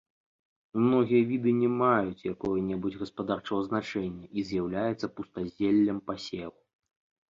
Многія віды не маюць якога-небудзь гаспадарчага значэння і з'яўляюцца пустазеллем пасеваў.